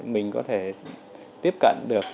mình có thể tiếp cận được